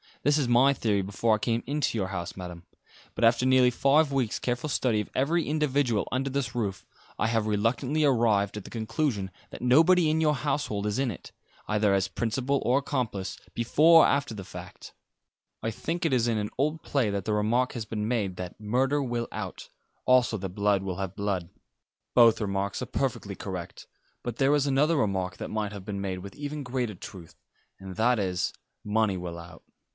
This was my theory before I came into your house, Madam; but after nearly five weeks' careful study of every individual under this roof, I have reluctantly arrived at the conclusion that nobody in your household is in it, either as principal or accomplice, before or after the fact. I think it is in an old play that the remark has been made that 'Murder will out,' also that 'Blood will have blood.' Both remarks are perfectly correct; but there is another remark that might have been made with even greater truth, and that is 'Money will out.'